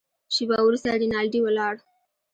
شېبه وروسته رینالډي ولاړ.